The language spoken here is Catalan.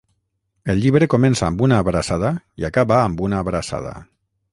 El llibre comença amb una abraçada i acaba amb una abraçada.